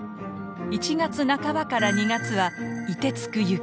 １月半ばから２月は「凍てつく雪」。